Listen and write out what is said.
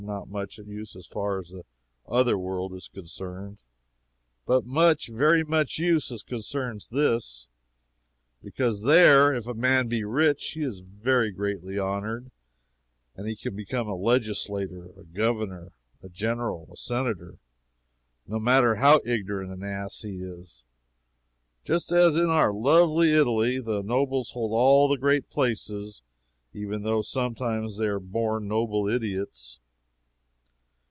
Not much use as far as the other world is concerned, but much, very much use, as concerns this; because there, if a man be rich, he is very greatly honored, and can become a legislator, a governor, a general, a senator, no matter how ignorant an ass he is just as in our beloved Italy the nobles hold all the great places, even though sometimes they are born noble idiots.